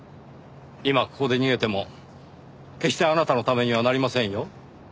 今ここで逃げても決してあなたのためにはなりませんよ。